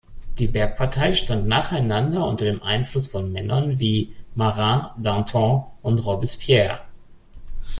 Die Bergpartei stand nacheinander unter dem Einfluss von Männern wie Marat, Danton und Robespierre.